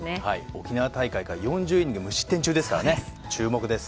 沖縄大会から４０イニング無失点中ですからね、注目です。